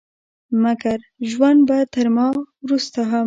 مګر ژوند به تر ما وروسته هم